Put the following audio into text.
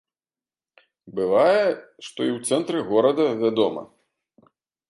Бывае, што і ў цэнтры горада, вядома.